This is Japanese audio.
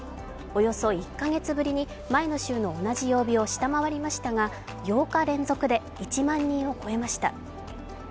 およそ１カ月ぶりに前の週の同じ曜日を下回りましたが８日連続で１万人を超えました。